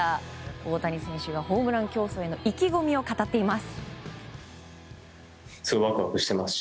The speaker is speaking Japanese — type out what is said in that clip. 大谷選手がホームラン競争への意気込みを語っています。